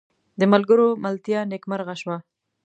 د ملګرو ملتیا نیکمرغه شوه.